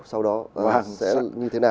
sau đó sẽ như thế nào